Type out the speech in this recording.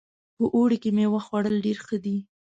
په اوړي کې میوې خوړل ډېر ښه ده